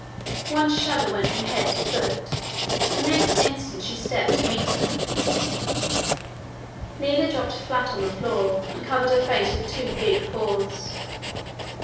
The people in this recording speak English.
One shudder went from head to foot, and next instant she stepped to meet her. Lina dropped flat on the floor, and covered her face with her two big paws.